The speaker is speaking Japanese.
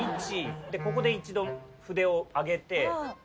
ここで一度筆を上げて２。